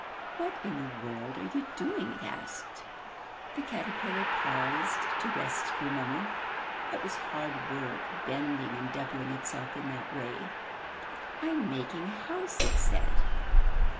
''What in the world are you doing?'' it asked. The caterpillar paused to rest for a moment. It was hard work, bending and doubling itself in that way. 'Tm making a house,'* it said.